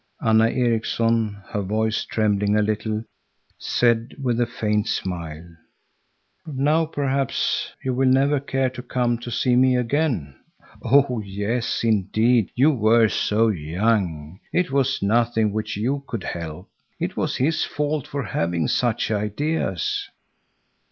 Anna Erikson, her voice trembling a little, said with a faint smile,— "Now perhaps you will never care to come to see me again?" "Oh, yes indeed! You were so young! It was nothing which you could help.—It was his fault for having such ideas."